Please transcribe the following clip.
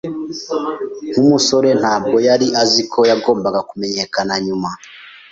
Nkumusore, ntabwo yari azi ko yagombaga kumenyekana nyuma.